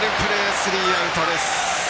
スリーアウトです。